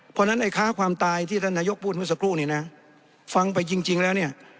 เพราะฉะนั้นไอ้ค้าความตายที่ท่านนายกพูดเมื่อสักครู่เนี่ยนะฟังไปจริงแล้วเนี่ย